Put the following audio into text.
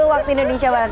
waktu indonesia barat